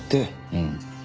うん。